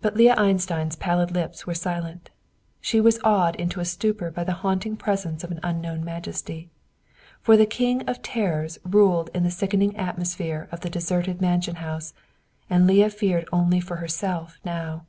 But Leah Einstein's pallid lips were silent. She was awed into a stupor by the haunting presence of an unknown majesty. For the King of Terrors ruled in the sickening atmosphere of the deserted mansion house, and Leah feared only for herself now!